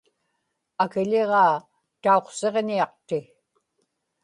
akiḷiġaa tauqsiġñiaqti